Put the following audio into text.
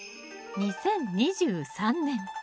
２０２３年。